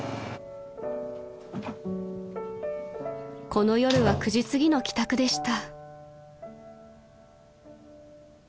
［この夜は９時すぎの帰宅でした］